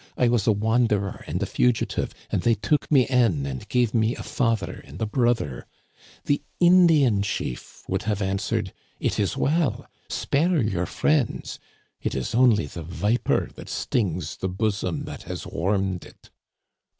I was a wanderer and a fugitive, and they took me in and gave me a father and a brother,* the Indian chief would have answered :' It is well ; spare your friends ; it is only the viper that stings the bosom that has warmed it.'